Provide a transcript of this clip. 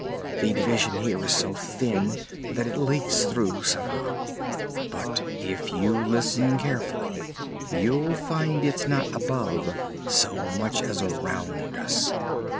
The division here is so thin that it leaks through somehow. But, if you listen carefully, you'll find it's not above so much as around us.